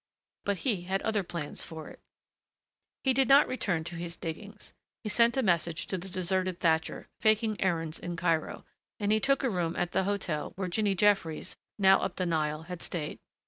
But he had other plans for it. He did not return to his diggings. He sent a message to the deserted Thatcher, faking errands in Cairo, and he took a room at the hotel where Jinny Jeffries now up the Nile had stayed.